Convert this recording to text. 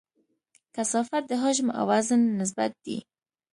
کثافت د حجم او وزن نسبت دی.